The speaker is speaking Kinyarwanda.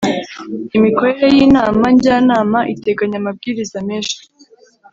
imikorere y ‘Inama Njyanama Iteganya amabwiriza meshi.